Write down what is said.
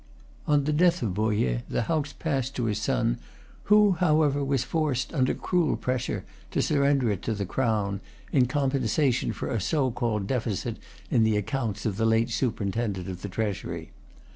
On the death of Bohier the house passed to his son, who, however, was forced, under cruel pressure, to surrender it to the crown, in compensation for a so called deficit in the accounts of the late superintendent of the trea sury.